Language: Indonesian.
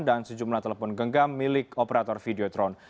dan sejumlah telepon genggam milik operator video tron